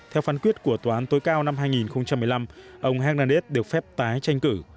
theo phán quyết của tòa án tối cao năm hai nghìn một mươi năm ông hernadez được phép tái tranh cử